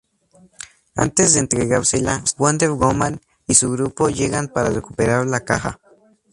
Antes de entregársela, Wonder Woman y su grupo llegan para recuperar la caja.